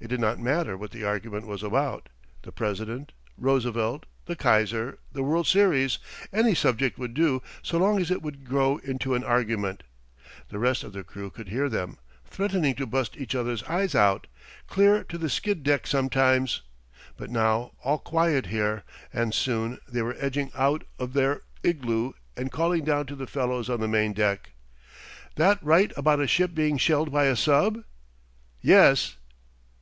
It did not matter what the argument was about the President, Roosevelt, the Kaiser, the world series any subject would do so long as it would grow into an argument. The rest of the crew could hear them threatening to bust each other's eyes out clear to the skid deck sometimes. But now all quiet here, and soon they were edging out of their igloo and calling down to the fellows on the main deck: "That right about a ship being shelled by a sub? Yes.